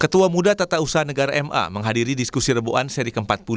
ketua muda tata usaha negara ma menghadiri diskusi reboan seri ke empat puluh